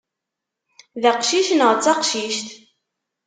D aqcic neɣ d taqcict?